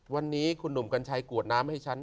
วันนี้คุณหนุ่มกัญชัยกวดน้ำให้ฉัน